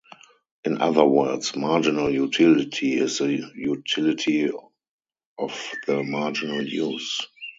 In other words, marginal utility is the utility of the marginal use.